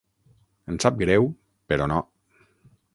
Em sap greu, però no.